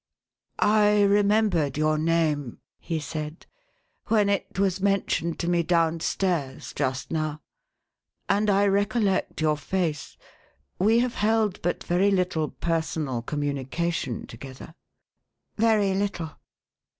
" I remembered your name," he said, " when it was men tioned to me down stairs, just now ; and I recollect your face. We have held but very little personal communication together ?"" Very little."